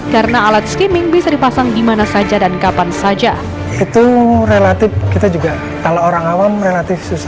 karena alat skimming bisa dipasang di mana saja dan kapan saja